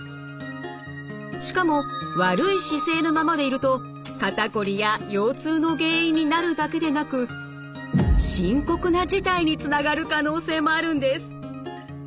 しかも悪い姿勢のままでいると肩こりや腰痛の原因になるだけでなく深刻な事態につながる可能性もあるんです。